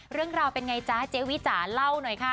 เรื่องราวเป็นไงจ๊ะเจ๊วิจ๋าเล่าหน่อยค่ะ